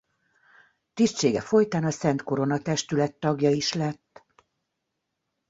Tisztsége folytán a Szent Korona Testület tagja is lett.